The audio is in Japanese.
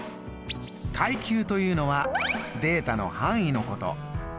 階級というのはデータの範囲のこと。